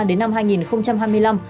đến năm hai nghìn hai mươi năm